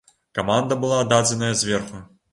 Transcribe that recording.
Каманда была дадзеная зверху.